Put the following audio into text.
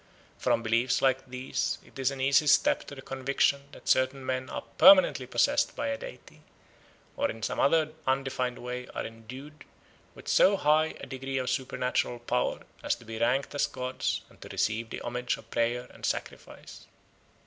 From beliefs like these it is an easy step to the conviction that certain men are permanently possessed by a deity, or in some other undefined way are endued with so high a degree of supernatural power as to be ranked as gods and to receive the homage of prayer and sacrifice.